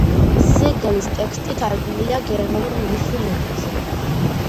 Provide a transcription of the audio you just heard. სიგელის ტექსტი თარგმნილია გერმანულ, რუსულ ენებზე.